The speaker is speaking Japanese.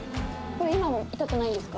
今も痛くないんですか？